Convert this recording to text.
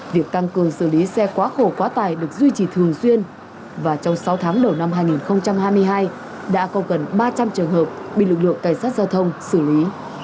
việc tăng cường xử lý xe quá khổ quá tài được duy trì thường xuyên và trong sáu tháng đầu năm hai nghìn hai mươi hai đã có gần ba trăm linh trường hợp bị lực lượng cảnh sát giao thông xử lý